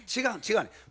違う違う。